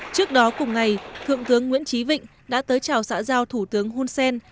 trước đó cùng ngày thượng tướng nguyễn trí vịnh đã tới chào xã giao thủ tướng hun sen